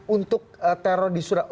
untuk teror di surabaya